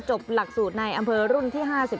หลักสูตรในอำเภอรุ่นที่๕๑